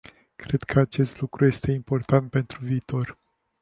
Cred că acest lucru este important pentru viitor.